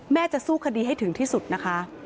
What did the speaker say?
จะสู้คดีให้ถึงที่สุดนะคะ